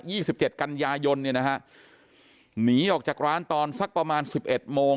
สิบเจ็ดกันยายนเนี่ยนะฮะหนีออกจากร้านตอนสักประมาณสิบเอ็ดโมง